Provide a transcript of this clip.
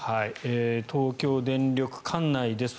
東京電力管内です。